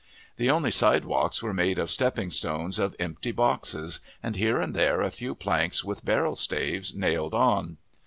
The only sidewalks were made of stepping stones of empty boxes, and here and there a few planks with barrel staves nailed on.